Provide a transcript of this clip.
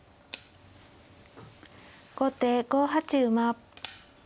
後手５八馬。